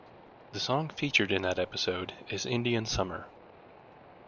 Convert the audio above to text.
The song featured in that episode is "Indian Summer".